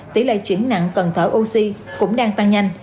tỷ lệ chuyển nặng cần thở oxy cũng đang tăng nhanh